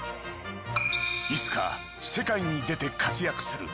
いつか世界に出て活躍する。